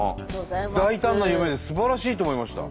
大胆な夢ですばらしいと思いました。